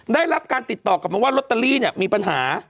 ได้รับการติดต่อกลับมาว่าลอตเตอรี่เนี่ยมีปัญหา